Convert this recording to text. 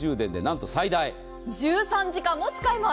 １３時間も使えます。